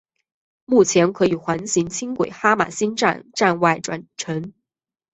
目前可与环状轻轨哈玛星站站外转乘。